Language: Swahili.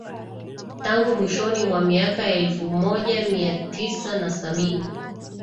Tangu mwishoni mwa miaka ya elfu moja mia tisa na sabini